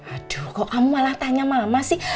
aduh kok kamu malah tanya mama sih